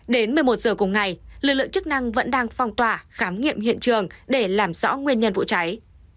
đến một mươi một giờ cùng ngày lực lượng chức năng vẫn đang phong tỏa khám nghiệm hiện trường để làm rõ nguyên nhân vụ cháy